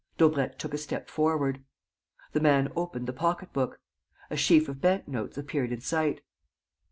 Daubrecq took a step forward. The man opened the pocketbook. A sheaf of bank notes appeared in sight.